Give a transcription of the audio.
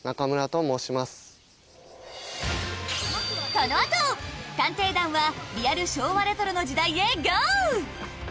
［この後探偵団はリアル昭和レトロの時代へゴー！］